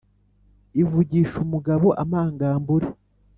ivugisha umugabo amagambure